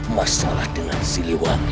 masalah dengan siliwangi